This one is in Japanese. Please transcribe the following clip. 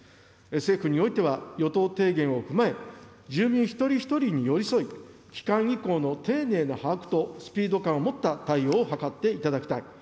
政府においては、与党提言を踏まえ、住民一人一人に寄り添い、帰還意向の丁寧な把握とスピード感をもった対応を図っていただきたい。